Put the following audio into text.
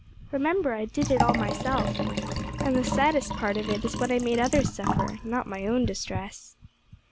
"Remember, I did it all myself. And the saddest part of it is what I made others suffer; not my own distress."